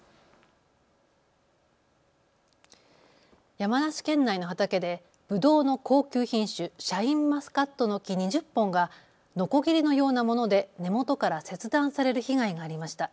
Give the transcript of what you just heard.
山梨県内の畑でぶどうの高級品種、シャインマスカットの木２０本がのこぎりのようなもので根元から切断される被害がありました。